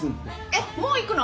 えっもう行くの？